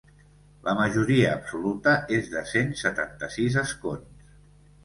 La majoria absoluta és de cent setanta-sis escons.